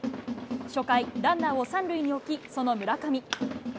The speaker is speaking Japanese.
初回、ランナーを３塁に置き、その村上。